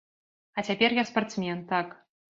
А цяпер я спартсмен, так!!!